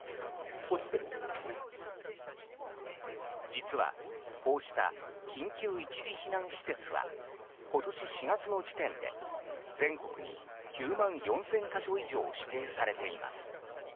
実はこうした緊急一時避難施設は今年４月の時点で全国に９万４０００か所以上指定されています。